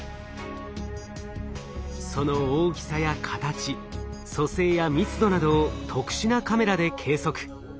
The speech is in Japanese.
その大きさや形組成や密度などを特殊なカメラで計測。